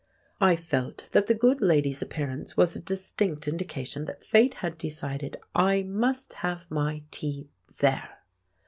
I felt that the good lady's appearance was a distinct indication that Fate had decided I must have my tea there.